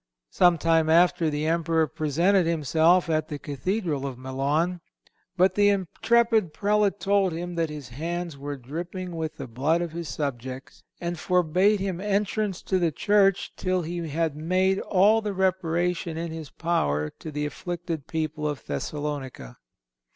Some time after the Emperor presented himself at the Cathedral of Milan; but the intrepid Prelate told him that his hands were dripping with the blood of his subjects, and forbade him entrance to the church till he had made all the reparation in his power to the afflicted people of Thessalonica.